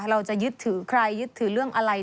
เราจะยึดถือใครยึดถือเรื่องอะไร